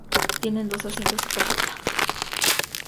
Tiene dos asientos y capota.